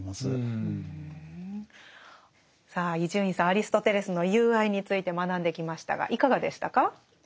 アリストテレスの「友愛」について学んできましたがいかがでしたか？